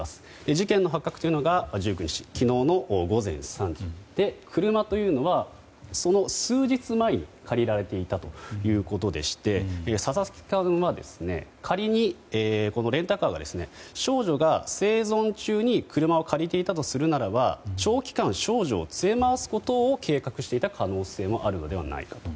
事件の発覚が１９日、昨日の午前３時で車というのは、その数日前に借りられていたということでして佐々木さんは仮にこのレンタカーが少女が生存中に借りられていたとするならば長期間少女を連れ回すことを計画していた可能性もあるのではないかと。